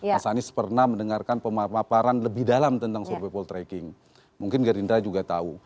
mas anies pernah mendengarkan pemaparan lebih dalam tentang survei poltreking mungkin gerindra juga tahu